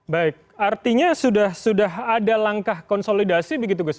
baik artinya sudah ada langkah konsolidasi begitu gus